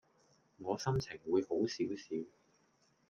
我心情會好少少